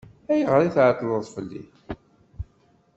Ayɣer i tɛeṭṭleḍ fell-i?